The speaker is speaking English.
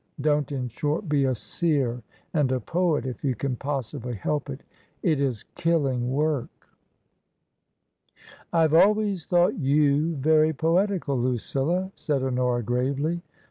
Don't, in short, be a seer and a poet if you can possibly help it. It is killing work !" 236 TRANSITION. " I have always thought you very poetical, Lucilla/' said Honora, gravely.